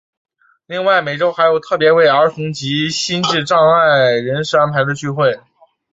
另外每周还有特别为儿童及心智障碍人士安排的聚会。